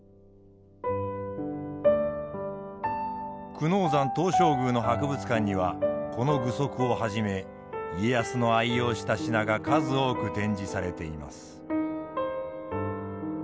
久能山東照宮の博物館にはこの具足をはじめ家康の愛用した品が数多く展示されています。